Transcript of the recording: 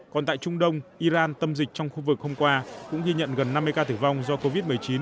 còn tại trung đông iran tâm dịch trong khu vực hôm qua cũng ghi nhận gần năm mươi ca tử vong do covid một mươi chín